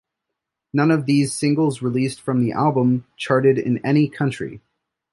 None of the singles released from the album charted in any country.